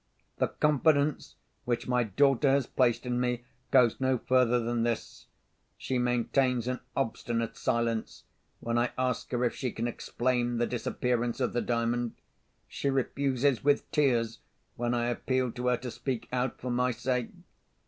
"The confidence which my daughter has placed in me goes no further than this. She maintains an obstinate silence, when I ask her if she can explain the disappearance of the Diamond. She refuses, with tears, when I appeal to her to speak out for my sake.